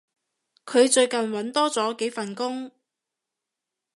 佢最近搵多咗幾份工